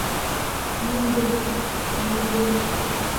ஈண்டும் — நிறையும்.